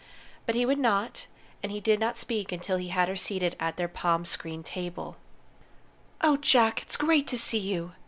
But he would not, and he did not even speak until he had her seated at their palm screened table. "Oh, Jack, it's great to see you!"